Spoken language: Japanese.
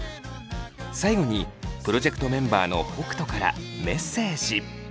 最後にプロジェクトメンバーの北斗からメッセージ。